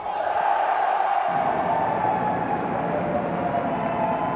สวัสดีทุกคน